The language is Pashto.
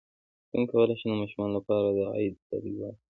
څنګه کولی شم د ماشومانو لپاره د عید ډالۍ واخلم